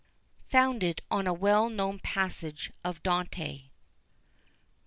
FOUNDED ON A WELL KNOWN PASSAGE OF DANTE.